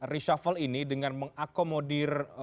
reshuffle ini dengan mengakomodir